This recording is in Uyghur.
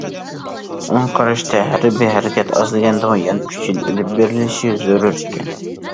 ئۇنىڭ قارىشىچە، ھەربىي ھەرىكەت ئاز دېگەندىمۇ يەنە ئۈچ يىل ئېلىپ بېرىلىشى زۆرۈر ئىكەن.